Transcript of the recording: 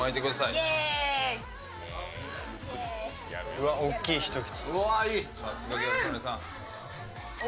うわっ、大きい、一口。